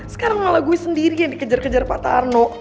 sekarang malah gue sendiri yang dikejar kejar pak tarno